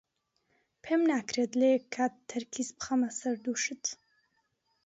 پێم ناکرێت لە یەک کات تەرکیز بخەمە سەر دوو شت.